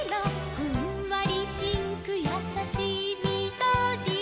「ふんわりピンクやさしいみどり」